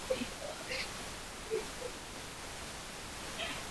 Wareno walipeleleza pwani na kununua bidhaa mbalimbali